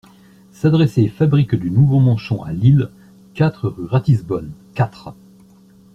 S'adresser Fabrique du nouveau manchon à Lille, quatre, rue Ratisbonne, quatre.